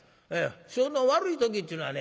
調子の悪い時っちゅうのはね